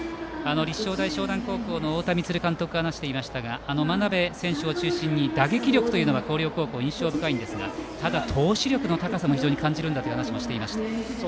立正大淞南高校の太田充監督が話していましたが真鍋選手を中心に打撃力が広陵高校、印象深いんですがただ、投手力の高さも非常に感じると話していました。